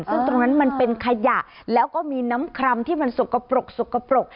ซึ่งตรงนั้นมันเป็นขยะแล้วก็มีน้ำครำที่มันสกปรกสกปรก